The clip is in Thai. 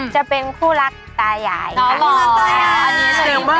จะเป็นคู่รักตาหยานี่ค่ะ